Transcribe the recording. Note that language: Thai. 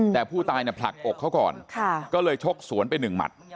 แต่ผู้ตายเนี่ยผลักอกเขาก่อนก็เลยชกสวนไปหนึ่งหมัด